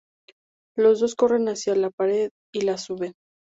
Los dos corren hacia la pared y la suben.